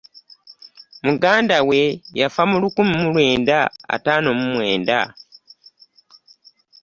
Muganda we yafa lukumi mu lwenda ataano mu mwenda.